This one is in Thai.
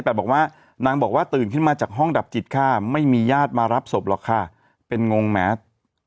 แต่บอกว่านางบอกว่าตื่นขึ้นมาจากห้องดับจิตค่ะไม่มีญาติมารับศพหรอกค่ะเป็นงงแมส